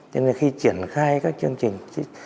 cho nên là khi triển khai các chương trình